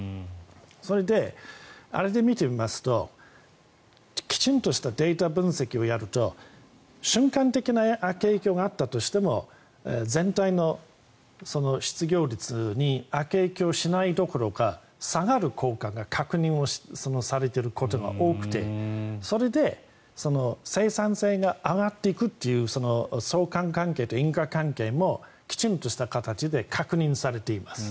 それで、あれで見てみますときちんとしたデータ分析をやると瞬間的な悪影響があったとしても全体の失業率に悪影響しないどころか下がる効果が確認されていることが多くてそれで生産性が上がっていくという相関関係と因果関係もきちんとした形で確認されています。